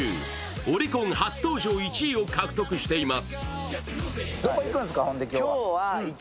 オリコン初登場１位を獲得しています。